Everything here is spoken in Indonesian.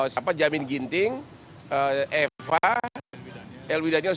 siapa jamin ginting eva elwi daniel semua